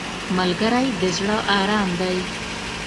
ملګری د زړه ارام دی